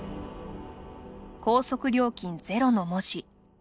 高速料金ゼロの文字。